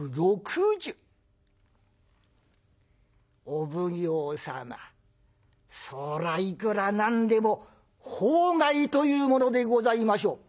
お奉行様そらぁいくら何でも法外というものでございましょう」。